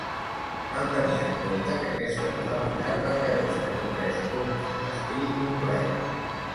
Cal tenir en compte que aquesta modalitat requereix tenir tres poms de castell complet.